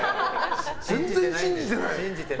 全然、信じてない。